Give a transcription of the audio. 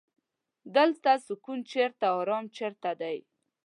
دلته سکون چرته ارام چرته دی.